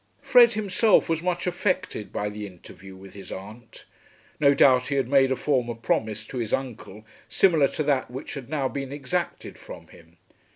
Fred himself was much affected by the interview with his aunt. No doubt he had made a former promise to his uncle, similar to that which had now been exacted from him.